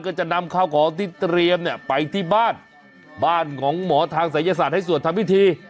ก็จะนำข้าวของที่เตรียมเนี่ยไปที่บ้านบ้านของหมอทางศัยศาสตร์ให้สวดทำพิธี